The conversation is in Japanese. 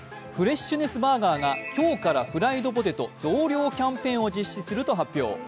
フレッシュネスバーガーが今日からフライドポテト増量キャンペーンを実施すると発表。